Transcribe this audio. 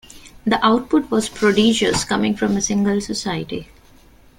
The output was prodigious, coming from a single society.